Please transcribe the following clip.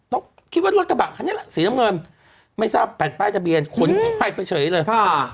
คิดว่ารถกระบะคันนี้แหละสีน้ำเงินไม่ทราบแผ่นป้ายทะเบียนขนไปไปเฉยเลยอ่า